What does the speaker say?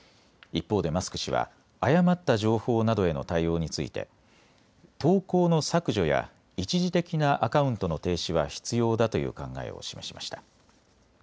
一方でマスク氏は誤った情報などへの対応について投稿の削除や一時的なアカウントの停止は必要だという考えを示しました。